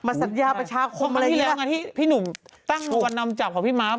มาสัญญาประชาคมอะไรอย่างนี้ล่ะพี่หนุ่มตั้งกับนำจับของพี่ม้า